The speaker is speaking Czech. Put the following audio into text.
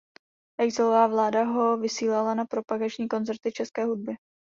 Exilová vláda ho vysílala na propagační koncerty české hudby.